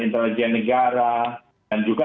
intelijen negara dan juga